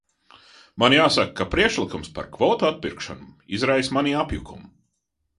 Man jāsaka, ka priekšlikums par kvotu atpirkšanu izraisa manī apjukumu.